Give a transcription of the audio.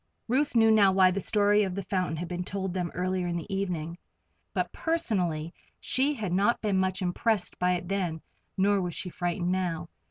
Ruth knew now why the story of the fountain had been told them earlier in the evening, but personally she had not been much impressed by it then, nor was she frightened now.